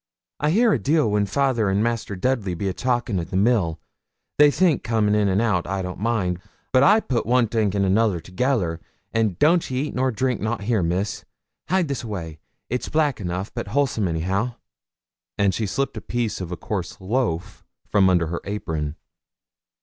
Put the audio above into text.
I hear a deal when fayther and Master Dudley be a talkin' in the mill. They think, comin' in an' out, I don't mind; but I put one think an' t'other together. An' don't ye eat nor drink nout here, Miss; hide away this; it's black enough, but wholesome anyhow!' and she slipt a piece of a coarse loaf from under her apron.